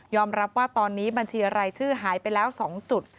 รับว่าตอนนี้บัญชีรายชื่อหายไปแล้ว๒จุด